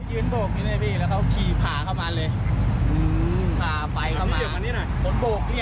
ยืนโบกนี้หน่อยพี่แล้วเขาขี่ผ่าเข้ามาเลยอืมผ่าไฟเข้ามานี่เดี๋ยวมันนี่หน่อย